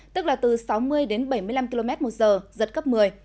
tức là từ sáu mươi đến bảy mươi năm km một giờ giật cấp một mươi